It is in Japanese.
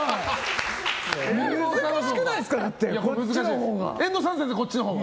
難しくないですか、だってこっちのほうが。